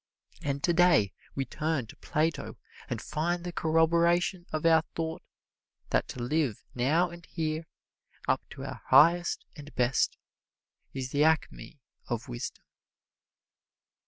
And today we turn to Plato and find the corroboration of our thought that to live now and here, up to our highest and best, is the acme of wisdom.